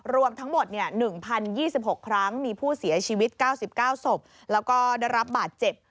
รวมทั้งหมด๑๐๒๖ครั้งมีผู้เสียชีวิต๙๙ศพแล้วก็ได้รับบาดเจ็บ